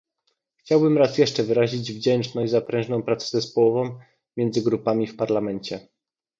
Chciałbym raz jeszcze wyrazić wdzięczność za prężną pracę zespołową między grupami w Parlamencie